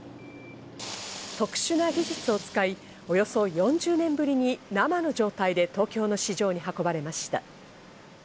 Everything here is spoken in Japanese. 特殊な技術を使い、およそ４０年ぶりに生の状態で東京の市場へ運ばれました。